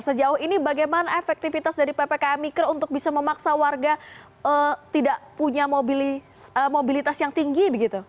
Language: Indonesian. sejauh ini bagaimana efektivitas dari ppkm mikro untuk bisa memaksa warga tidak punya mobilitas yang tinggi begitu